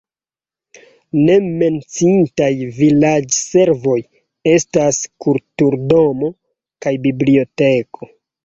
Ne menciitaj vilaĝservoj estas kulturdomo kaj biblioteko.